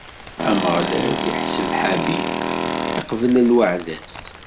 Ameɣlal iḥseb Habil, iqbel-d lweɛda-s.